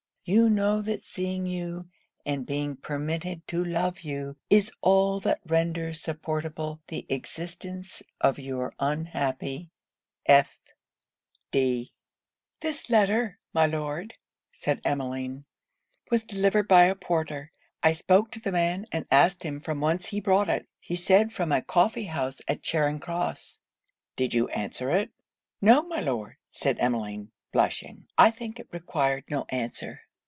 You know that seeing you, and being permitted to love you, is all that renders supportable the existence of your unhappy F. D.' 'This letter, my Lord,' said Emmeline, was delivered by a porter. I spoke to the man, and asked him from whence he brought it? He said from a coffee house at Charing cross.' 'Did you answer it?' 'No, my Lord,' said Emmeline, blushing; 'I think it required no answer.'